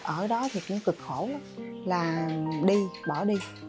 ở đó thì cũng cực khổ là đi bỏ đi